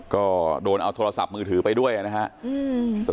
ก็โดนเอาโทรศัพท์มือถือไปด้วยนะครับ